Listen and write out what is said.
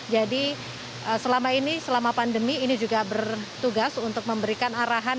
selama ini selama pandemi ini juga bertugas untuk memberikan arahan